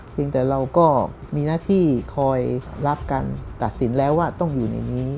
แต่เราก็มีหน้าที่คอยรับกันตัดสินแล้วว่าต้องอยู่ในนี้